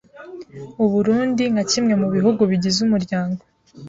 U Burunndi nka kimwe mu bihugu bigize Umuryango